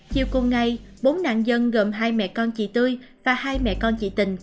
chiều cùng ngày bốn nạn nhân gồm hai mẹ con chị tươi và hai mẹ con chị tình